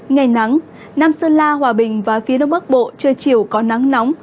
ngày nắng nam sơn la hòa bình và phía đông bắc bộ trưa chiều có nắng nóng